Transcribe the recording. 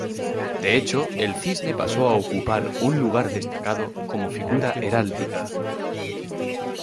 De hecho, el cisne pasó a ocupar un lugar destacado como figura heráldica.